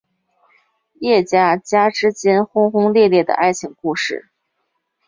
叶家家之间轰轰烈烈的爱情故事。